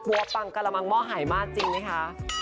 วังกระมังหม้อหายมากจริงไหมคะ